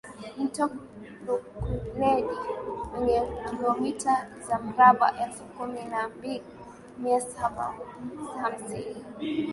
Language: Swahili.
Mto Lukuledi wenye kilometa za mraba elfu kumi na mbili mia sabo hamsini